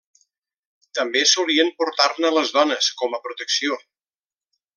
També solien portar-ne les dones com a protecció.